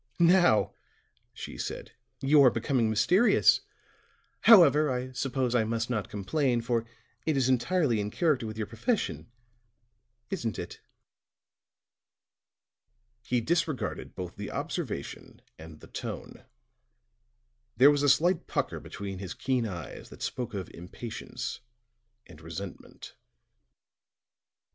"Now," she said, "you are becoming mysterious. However, I suppose I must not complain, for it is entirely in character with your profession, isn't it?" He disregarded both the observation and the tone; there was a slight pucker between his keen eyes that spoke of impatience and resentment. "Mr.